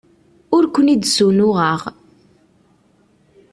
Ur ken-id-ssunuɣeɣ.